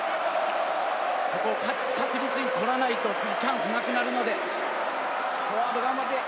ここを確実に取らないと、あとチャンスがなくなるのでフォワード、頑張って。